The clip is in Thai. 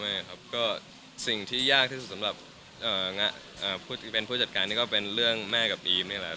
ไม่ครับก็สิ่งที่ยากที่สุดสำหรับผู้ที่เป็นผู้จัดการนี่ก็เป็นเรื่องแม่กับอีมนี่แหละ